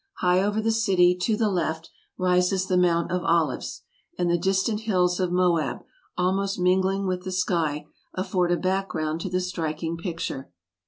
High over the city, to the left, rises the Mount of Olives, and the distant hills of Moab, almost mingling with the sky, afford a background to the striking picture.